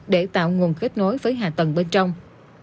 để tạo nguồn kết nối với hạ tầng bên trong